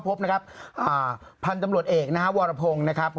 พันธุ์ตำรวจเอกนะฮะวรพงศ์นะครับ